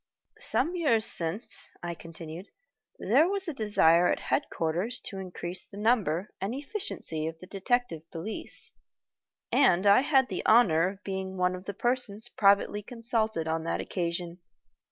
"Some years since," I continued, "there was a desire at headquarters to increase the numbers and efficiency of the Detective Police, and I had the honor of being one of the persons privately consulted on that occasion.